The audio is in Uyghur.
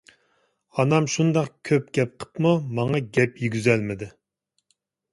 ئانام شۇنداق كۆپ گەپ قىلىپمۇ ماڭا گەپ يېگۈزەلمىدى.